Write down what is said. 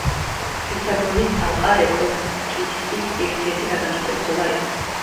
ლისაბონის ალყა რეკონკისტის ერთ-ერთი გადამწყვეტი ბრძოლა იყო.